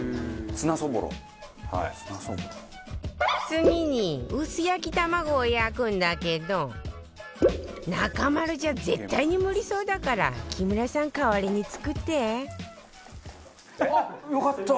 次に薄焼き玉子を焼くんだけど中丸じゃ絶対に無理そうだから木村さん代わりに作ってあっよかった。